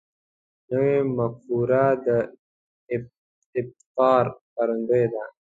نوې مفکوره د ابتکار ښکارندوی ده